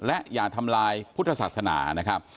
และต้องท่านำพุทธศาสตราให้จริงปลอดภัย